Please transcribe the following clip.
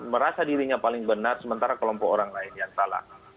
merasa dirinya paling benar sementara kelompok orang lain yang salah